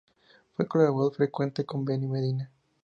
Fue colaborador frecuente con Benny Medina.